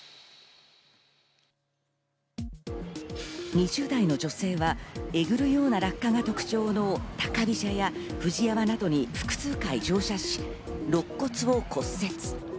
２０代の女性はえぐるような落下が特徴の高飛車やＦＵＪＩＹＡＭＡなどに複数回乗車し、肋骨を骨折。